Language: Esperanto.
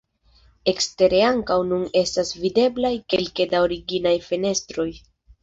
Ekstere ankaŭ nun estas videblaj kelke da originaj fenestroj.